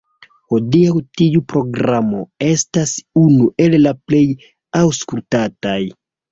Hodiaŭ tiu programo estas unu el la plej aŭskultataj.